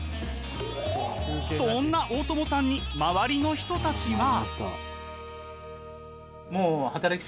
そんな大友さんに周りの人たちは。